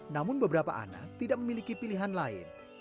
namun beberapa anak tidak memiliki pilihan lain